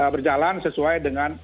berjalan sesuai dengan